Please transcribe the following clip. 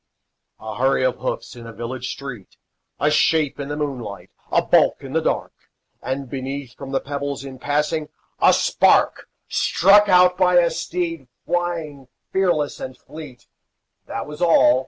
A hurry of hoofs in a village street, A shape in the moonlight, a bulk in the dark, And beneath, from the pebbles, in passing, a spark Struck out by a steed flying fearless and fleet; That was all!